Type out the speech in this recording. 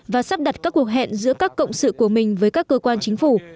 và sắp đặt các cuộc hẹn giữa các cộng sự của mình với các cơ quan chính phủ